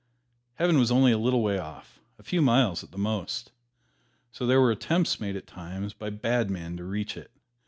Heaven was only a little way off a few miles at the most. So there were attempts made at times by bad men to reach it.